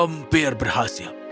aku hampir berhasil